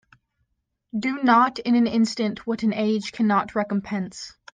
Do not in an instant what an age cannot recompense.